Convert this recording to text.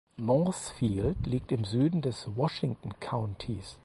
Northfield liegt im Süden des Washington Countys.